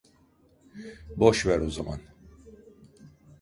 Boş ver o zaman.